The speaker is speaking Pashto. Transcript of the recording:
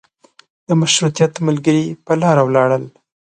د مشروطیت ملګري په لاره ولاړل.